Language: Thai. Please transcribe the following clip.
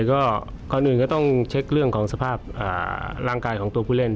ก็ก่อนอื่นก็ต้องเช็คเรื่องของสภาพร่างกายของตัวผู้เล่น